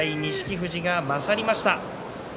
富士が上回りました。